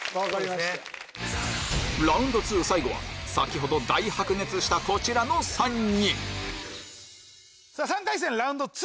ラウンド２最後は先ほど大白熱したこちらの３人３回戦ラウンド２